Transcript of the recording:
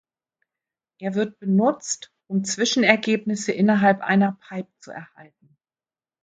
Er wird benutzt, um Zwischenergebnisse innerhalb einer Pipe zu erhalten.